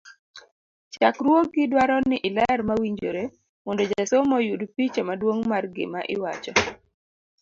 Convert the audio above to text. chakruogi dwaro ni iler mawinjore mondo jasomo oyud picha maduong' mar gima iwacho.